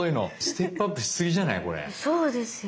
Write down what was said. そうですよ。